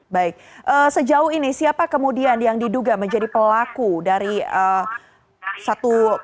baik sejauh ini siapa kemudian yang diduga menjadi pelaku dari satu